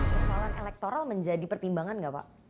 masalah elektoral menjadi pertimbangan gak pak